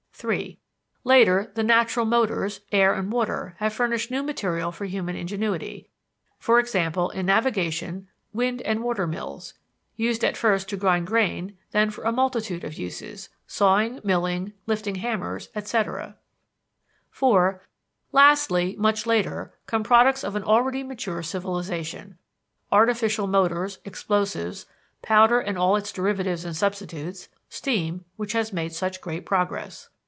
(3) Later, the natural motors air and water have furnished new material for human ingenuity, e.g., in navigation; wind and water mills, used at first to grind grain, then for a multitude of uses sawing, milling, lifting hammers; etc. (4) Lastly, much later, come products of an already mature civilization, artificial motors, explosives, powder and all its derivatives and substitutes steam, which has made such great progress.